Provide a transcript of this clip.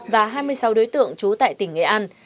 và hai mươi sáu đối tượng trú tại tỉnh nghệ an